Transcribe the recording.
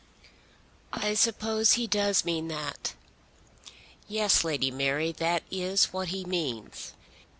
"I suppose he does mean that." "Yes, Lady Mary; that is what he means.